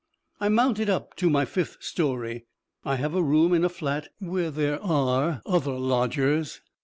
I mounted up to my fifth storey. I have a room in a flat where there are other lodgers.